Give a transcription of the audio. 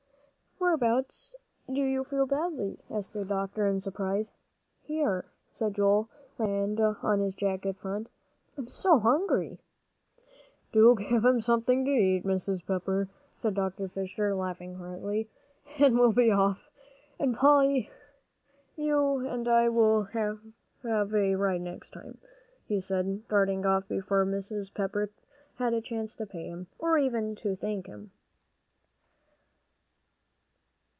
"Whereabouts do you feel badly?" asked the doctor, in surprise. "Here," said Joel, laying his hand on his jacket front. "I'm so hungry." "Do give him something to eat, Mrs. Pepper," said Dr. Fisher, laughing heartily, "then we'll be off. And Polly, you and I will have a ride next time," he said, darting off before Mrs. Pepper had a chance to pay him, or even to thank him.